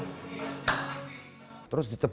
awam yang berputar